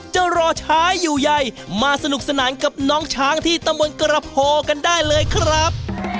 จะรอช้าอยู่ใยมาสนุกสนานกับน้องช้างที่ตำบลกระโพกันได้เลยครับ